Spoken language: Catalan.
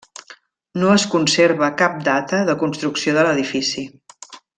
No es conserva cap data de construcció de l'edifici.